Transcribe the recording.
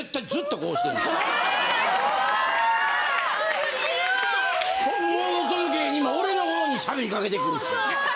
その芸人も俺の方にしゃべりかけてくるし。